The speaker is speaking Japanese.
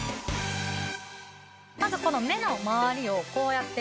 まずこの目の周りをこうやって。